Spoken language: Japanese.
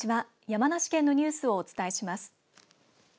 山梨県のニュースをお伝えします。